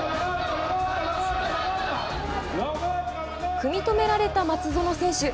組み止められた松園選手。